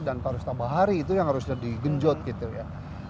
dan pak ustaz bahari itu yang harusnya digenjot gitu ya